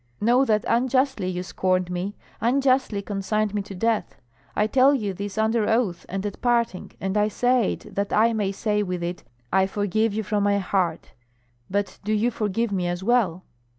Know that unjustly you scorned me, unjustly consigned me to death I tell you this under oath and at parting, and I say it that I may say with it, I forgive you from my heart; but do you forgive me as well."